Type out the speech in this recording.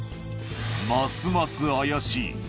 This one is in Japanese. ますます怪しい。